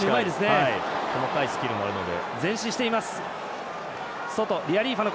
細かいスキルもあるので。